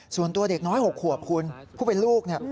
ส่วนตัวเด็กน้อย๖ขวบคุณผู้เป็นลูกเนี่ย